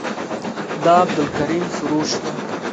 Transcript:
دا عبدالکریم سروش ده.